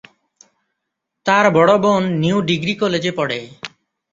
তার বড় বোন নিউ ডিগ্রি কলেজে পড়ে।